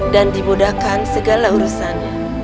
dan dibudahkan segala urusannya